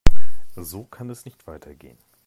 So kann es nicht weitergehen.